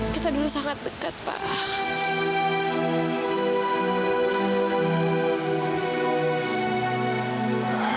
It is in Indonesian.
kita dulu sangat dekat pak